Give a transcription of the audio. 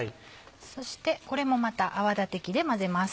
そしてこれもまた泡立て器で混ぜます。